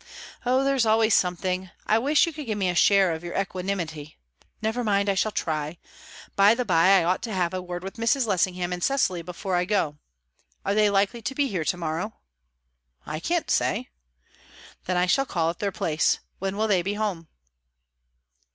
"Oh, there's always something. I wish you could give me a share of your equanimity. Never mind, I shall try. By the bye, I ought to have a word with Mrs. Lessingham and Cecily before I go. Are they likely to be here tomorrow?" "I can't say." "Then I shall call at their place. When will they be at home?"